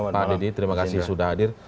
pak dedy terima kasih sudah hadir